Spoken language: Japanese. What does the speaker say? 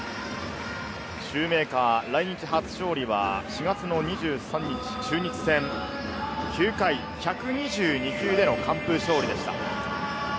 シューメーカー、来日初勝利は４月の２３日、中日戦、９回１２２球での完封勝利でした。